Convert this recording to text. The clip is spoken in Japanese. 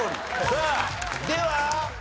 さあではＢ。